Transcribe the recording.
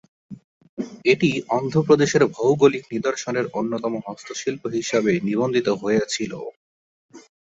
এটি অন্ধ্রপ্রদেশের ভৌগোলিক নিদর্শনের অন্যতম হস্তশিল্প হিসাবে নিবন্ধিত হয়েছিল।